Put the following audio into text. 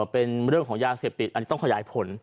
เป็นเรื่องของยาเสพติดอันนี้ต้องขยายผล